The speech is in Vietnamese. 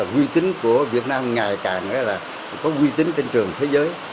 huy tính của việt nam ngày càng có huy tính trên trường thế giới